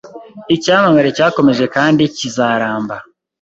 Icyamamare cyakomeje kandi kizaramba